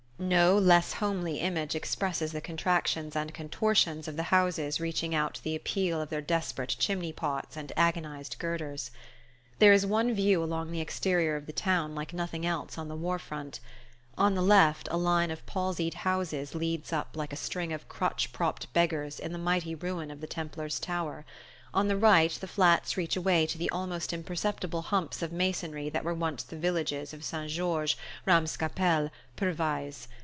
No less homely image expresses the contractions and contortions of the houses reaching out the appeal of their desperate chimney pots and agonized girders. There is one view along the exterior of the town like nothing else on the warfront. On the left, a line of palsied houses leads up like a string of crutch propped beggars to the mighty ruin of the Templars' Tower; on the right the flats reach away to the almost imperceptible humps of masonry that were once the villages of St. Georges, Ramscappelle, Pervyse.